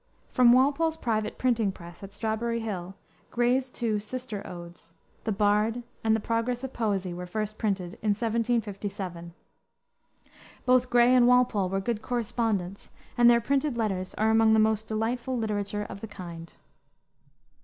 From Walpole's private printing press, at Strawberry Hill, Gray's two "sister odes," the Bard and the Progress of Poesy, were first printed, in 1757. Both Gray and Walpole were good correspondents, and their printed letters are among the most delightful literature of the kind.